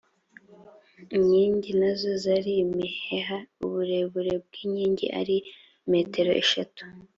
inkingi na zo zari imiheha uburebure bw’inkingi ari metero eshatu